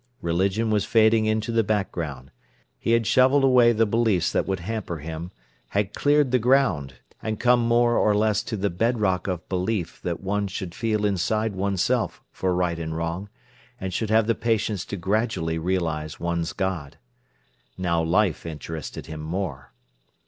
Religion was fading into the background. He had shovelled away all the beliefs that would hamper him, had cleared the ground, and come more or less to the bedrock of belief that one should feel inside oneself for right and wrong, and should have the patience to gradually realise one's God. Now life interested him more.